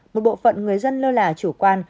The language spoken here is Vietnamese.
một bộ phận người dân lơ là chủ quan